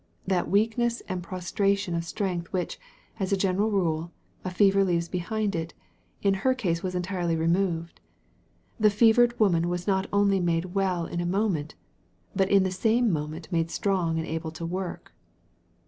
That weakness and prostration of strength which, as a general rule, a fever leaves behind it, in her case was entirely removed. The fevered woman was not only made well in a moment, but in the same moment made strong and able to work.